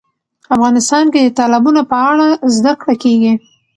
افغانستان کې د تالابونه په اړه زده کړه کېږي.